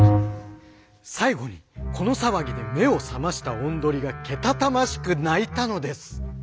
最後にこの騒ぎで目を覚ましたおんどりがけたたましく鳴いたのです。